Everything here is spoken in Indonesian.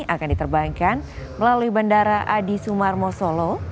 akan diterbangkan melalui bandara adi sumar mosolo